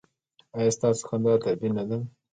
ایا ستاسو خندا طبیعي نه ده؟